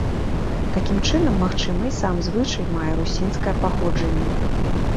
Такім чынам, магчыма, і сам звычай мае русінскае паходжанне.